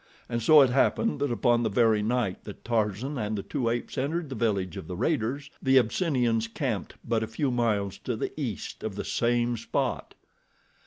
And so it happened that upon the very night that Tarzan and the two apes entered the village of the raiders, the Abyssinians camped but a few miles to the east of the same spot.